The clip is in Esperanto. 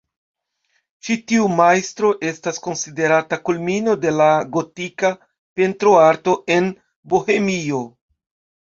Ĉi tiu majstro estas konsiderata kulmino de la gotika pentroarto en Bohemio.